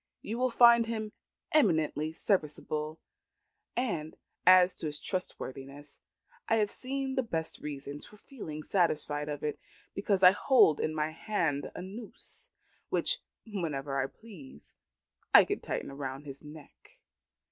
You will find him eminently serviceable; and as to his trustworthiness, I have the best reasons for feeling satisfied of it, because I hold in my hand a noose, which, whenever I please, I can tighten round his neck.